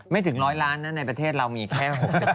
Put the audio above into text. ไม่ถึง๑๐๐ล้านนะในประเทศเรามีแค่๖๐